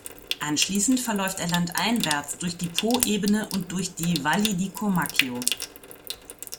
Anschließend verläuft er landeinwärts durch die Poebene und durch die "Valli di Comacchio".